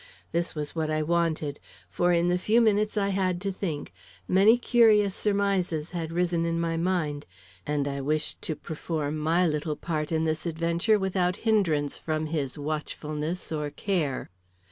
This was what I wanted, for in the few minutes I had to think, many curious surmises had risen in my mind, and I wished to perform my little part in this adventure without hindrance from his watchfulness or care.